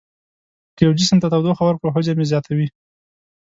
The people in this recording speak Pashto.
که یو جسم ته تودوخه ورکړو حجم یې زیاتوي.